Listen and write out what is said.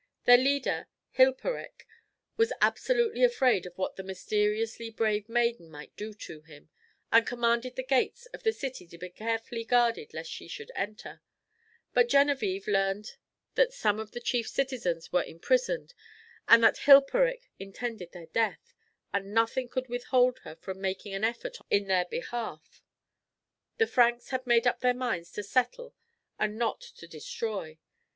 Their leader, Hilperik, was absolutely afraid of what the mysteriously brave maiden might do to him, and commanded the gates of the city to be carefully guarded lest she should enter; but Genevičve learnt that some of the chief citizens were imprisoned, and that Hilperik intended their death, and nothing could withhold her from making an effort in their behalf. The Franks had made up their minds to settle and not to destroy.